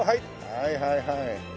はいはいはい。